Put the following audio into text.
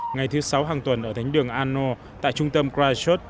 ngày thứ sáu hàng tuần ở thánh đường anor tại trung tâm christchurch